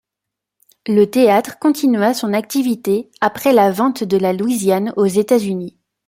Le théâtre continua son activité après la vente de la Louisiane aux États-Unis.